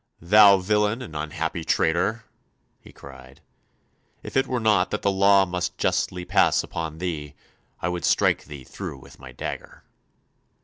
"'Thou villain and unhappy traitor,' he cried, ... 'if it were not that the law must justly pass upon thee, I would strike thee through with my dagger.